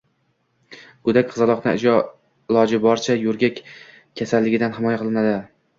Go‘dak qizaloqni iloji boricha yo‘rgak kasalligidan himoya qilinadi.